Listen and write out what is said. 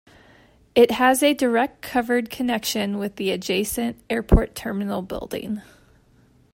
It has a direct covered connection with the adjacent airport terminal building.